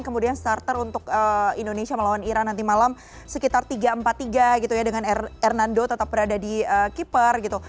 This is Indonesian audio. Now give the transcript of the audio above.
kemudian starter untuk indonesia melawan iran nanti malam sekitar tiga empat puluh tiga gitu ya dengan hernando tetap berada di keeper gitu